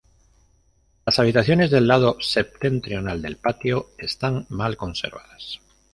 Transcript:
Las habitaciones del lado septentrional del patio están mal conservadas.